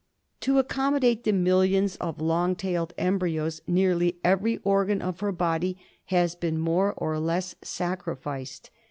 To accommo date the miUions of long tailed embryos nearly every oi^an of her body has been more or less sacrificed.